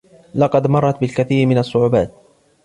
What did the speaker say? لقد مرَّت بالكثير من الصعوبات.